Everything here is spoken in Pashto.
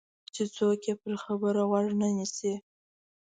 چې څوک یې پر خبره غوږ نه نیسي.